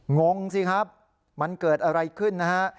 งงสิครับมันเกิดอะไรขึ้นนะฮะ